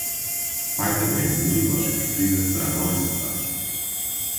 Python é minha linguagem preferida para análise de dados.